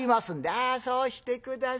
「ああそうして下さい。